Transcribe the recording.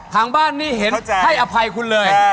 ทางบ้านนี่เห็นให้อภัยคุณเลย